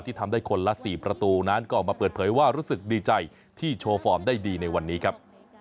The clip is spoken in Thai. ทำได้คนละ๔ประตูนั้นก็ออกมาเปิดเผยว่ารู้สึกดีใจที่โชว์ฟอร์มได้ดีในวันนี้ครับ